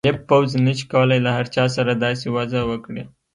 غالب پوځ نه شي کولای له هر چا سره داسې وضعه وکړي.